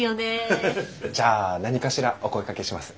じゃあ何かしらお声がけします。